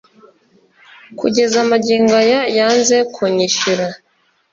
Kugeza magingo aya yanze kunyishyura